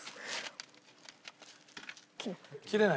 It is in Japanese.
切れない。